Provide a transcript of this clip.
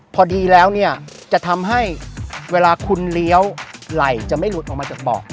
พอดีแล้วเนี่ยจะทำให้เวลาคุณเลี้ยวไหล่จะไม่หลุดออกมาจากเบาะ